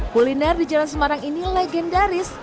kuliner di jalan semarang ini legendaris